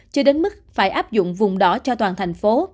chưa đến mức phải áp dụng vùng đỏ cho toàn thành phố